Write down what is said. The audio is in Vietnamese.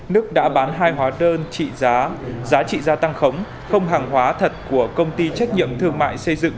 đức đã bán hai hóa đơn trị giá giá trị gia tăng khống không hàng hóa thật của công ty trách nhiệm thương mại xây dựng